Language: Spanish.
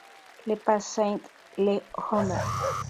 Le Pas-Saint-l'Homer